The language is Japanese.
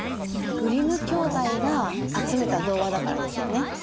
グリム兄弟が集めた童話だからですよね。